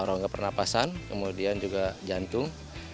rongga pernapasan kemudian juga jantung